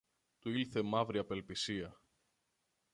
Του ήλθε μαύρη απελπισία.